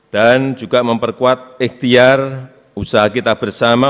dan juga memperkuat ikhtiar usaha kita bersama